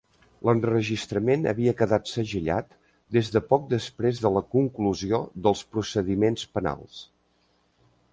L'enregistrament havia quedat segellat des de poc després de la conclusió dels procediments penals.